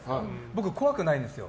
僕、怖くないんですよ。